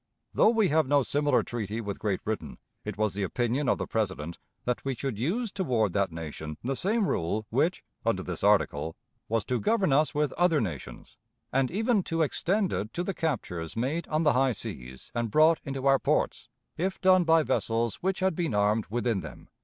Though we have no similar treaty with Great Britain, it was the opinion of the President that we should use toward that nation the same rule which, under this Article, was to govern us with other nations, and even to extend it to the captures made on the high seas and brought into our ports, if done by vessels which had been armed within them."